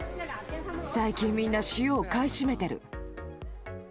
最近みんな塩を買い占めてる。